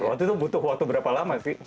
waktu itu butuh waktu berapa lama sih